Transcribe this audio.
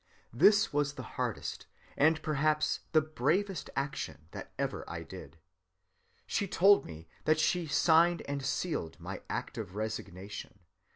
This was the hardest, and perhaps the bravest action that ever I did. She ... told me that she signed and sealed my act of resignation.